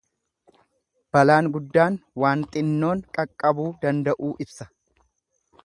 Balaan guddaan waan xinnoon qaqqabuu danda'uu ibsa.